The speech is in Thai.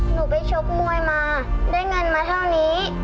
หนูไปชกมวยมาได้เงินมาเท่านี้